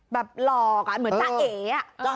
แบบหลอกเหมือจ๊ะเอ